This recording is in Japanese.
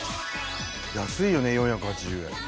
安いよね４８０円。